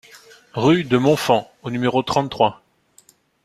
Rue de Montfand au numéro trente-trois